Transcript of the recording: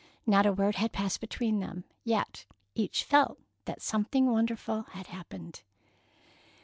Not a word had passed between them, yet each felt that something wonderful had happened.